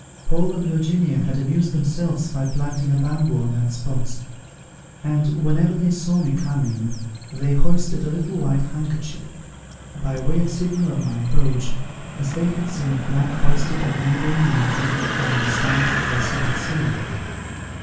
Paul and Virginia had amused themselves by planting a bamboo on that spot; and whenever they saw me coming, they hoisted a little white handkerchief, by way of signal of my approach, as they had seen a flag hoisted on the neighbouring mountain on the sight of a vessel at sea.